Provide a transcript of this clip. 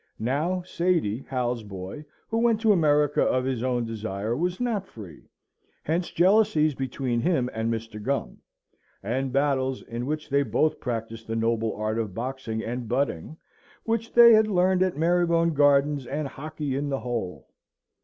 Now, Sady, Hal's boy, who went to America of his own desire, was not free. Hence jealousies between him and Mr. Gum; and battles, in which they both practised the noble art of boxing and butting, which they had learned at Marybone Gardens and Hockley in the Hole.